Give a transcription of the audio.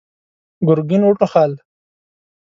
ګرګين وټوخل.